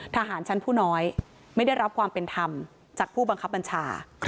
ทหารชั้นผู้น้อยไม่ได้รับความเป็นธรรมจากผู้บังคับบัญชา